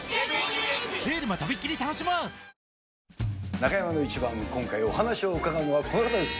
中山のイチバン、今回、お話を伺うのはこの方です。